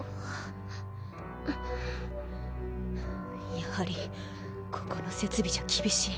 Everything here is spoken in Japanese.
やはりここの設備じゃ厳しい。